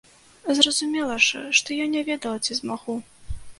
Зразумела ж, што я не ведала ці змагу.